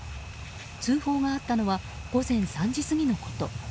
通報があったのは午前３時過ぎのこと。